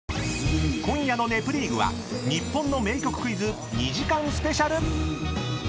［今夜の『ネプリーグ』は日本の名曲クイズ２時間スペシャル！］